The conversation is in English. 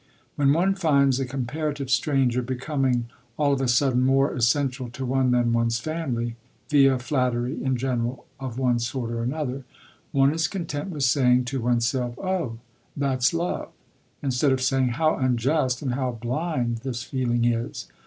When one finds a comparative stranger becoming all of a sudden more essential to one than one's family (via flattery, in general, of one sort or another), one is content with saying to oneself, "Oh! that's love," instead of saying, "How unjust and how blind this feeling is."